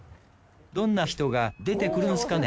どんな人が出てくるんすかね？